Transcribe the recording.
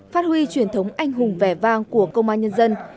phát huy truyền thống anh hùng vẻ vang của công an nhân dân